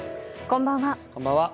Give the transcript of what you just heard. こんばんは。